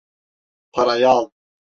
Parayı al.